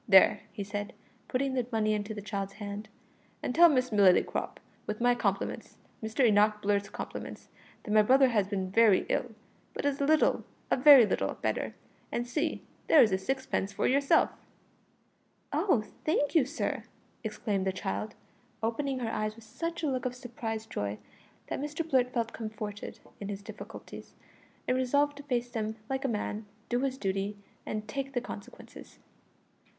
"There," he said, putting the money into the child's hand, "and tell Miss Lillycrop, with my compliments Mr Enoch Blurt's compliments that my brother has been very ill, but is a little a very little better; and see, there is a sixpence for yourself." "Oh, thank you, sir!" exclaimed the child, opening her eyes with such a look of surprised joy that Mr Blurt felt comforted in his difficulties, and resolved to face them like a man, do his duty, and take the consequences.